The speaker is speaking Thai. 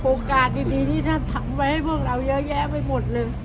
โอกาสดีที่ท่านทำไว้ให้พวกเราเยอะแยะไปหมดเลย